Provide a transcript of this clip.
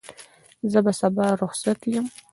زه به سبا رخصت یم.